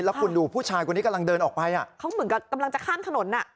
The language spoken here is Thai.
แล้วคุณดูผู้ชายคนนี้กำลังเดินออกไปอ่ะเขาเหมือนกับกำลังจะข้ามถนนอ่ะ